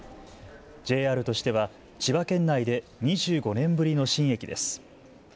ＪＲとしては千葉県内で２５年ぶりの新駅です。